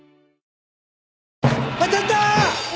当たった！